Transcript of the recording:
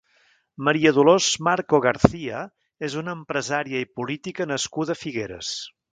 Maria Dolors Marco García és una empresària i política nascuda a Figueres.